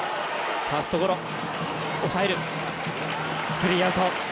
スリーアウト。